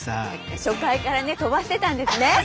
初回からね飛ばしてたんですね。